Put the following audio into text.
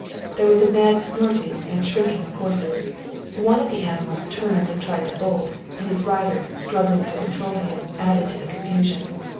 There was a mad snorting and shrinking of horses. One of the animals turned and tried to bolt, and his rider, struggling to control him, added to the confusion.